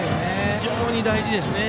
非常に大事ですよね。